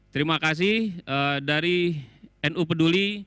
terima kasih dari nu peduli